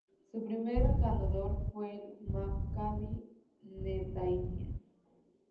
Su primer ganador fue el Maccabi Netanya.